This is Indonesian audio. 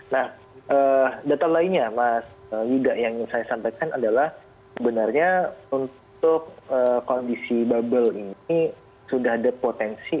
nah data lainnya mas yuda yang ingin saya sampaikan adalah sebenarnya untuk kondisi bubble ini sudah ada potensi